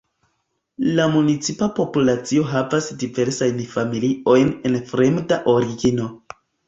La municipa populacio havas diversajn familiojn el fremda origino.